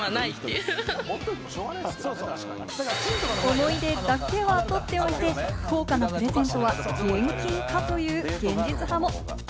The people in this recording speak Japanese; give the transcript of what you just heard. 思い出だけは取っておいて、高価なプレゼントは現金化という現実派も。